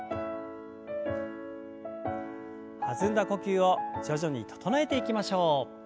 弾んだ呼吸を徐々に整えていきましょう。